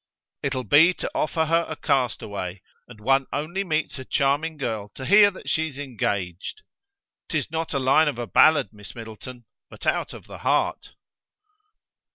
"It'll be to offer her a castaway. And one only meets a charming girl to hear that she's engaged! 'Tis not a line of a ballad, Miss Middleton, but out of the heart."